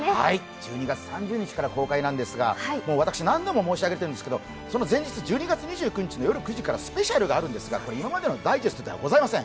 １２月３０日から公開なんですが、私何度も申し上げているんですが、その前日にスペシャルがあるんです、今までのダイジェストではございません。